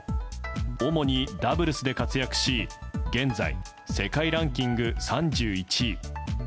主にダブルスで活躍し現在、世界ランキング３１位。